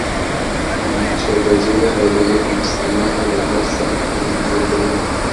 wananchi wa brazil hawajawahi kumsamehe barbosa hadi leo